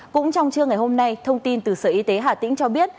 cũng trong trưa ngày hôm nay thông tin từ sở y tế hà tĩnh cho biết